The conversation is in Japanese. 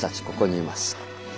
ここにいます。